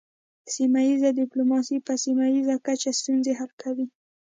سیمه ایز ډیپلوماسي په سیمه ایزه کچه ستونزې حل کوي